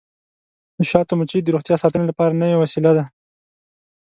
د شاتو مچۍ د روغتیا ساتنې لپاره نوې وسیله ده.